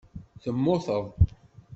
Temmuteḍ.